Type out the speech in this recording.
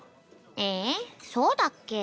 えそうだっけ？